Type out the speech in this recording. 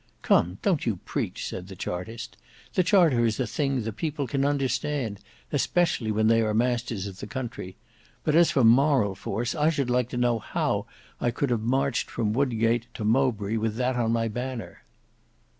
"Come don't you preach," said the Chartist. "The Charter is a thing the people can understand, especially when they are masters of the country; but as for moral force, I should like to know how I could have marched from Wodgate to Mowbray with that on my banner."